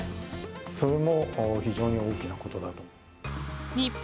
それも非常に大きなことだと思います。